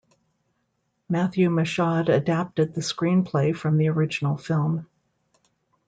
Matthew Michaud adapted the screenplay from the original film.